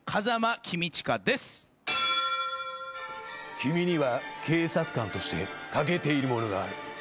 君には警察官として欠けているものがある。